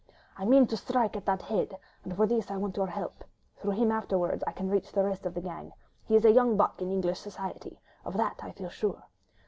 I mean to strike at that head, and for this I want your help—through him afterwards I can reach the rest of the gang: he is a young buck in English society, of that I feel sure.